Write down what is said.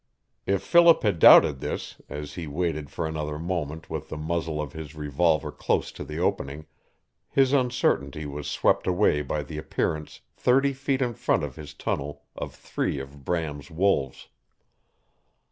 If Philip had doubted this, as he waited for another moment with the muzzle of his revolver close to the opening, his uncertainty was swept away by the appearance thirty feet in front of his tunnel of three of Bram's wolves.